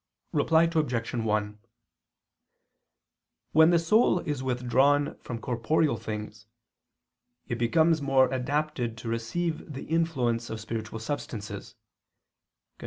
Reply Obj. 1: When the soul is withdrawn from corporeal things, it becomes more adapted to receive the influence of spiritual substances [*Cf.